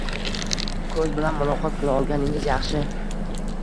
Ko‘z bilan muloqot qila olganingiz yaxshi